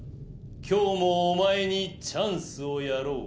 今日もお前にチャンスをやろう」。